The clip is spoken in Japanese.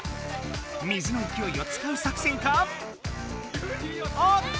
水のいきおいをつかう作戦か⁉おっと！